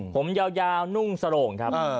ผมยาวนุ่งสโรงครับ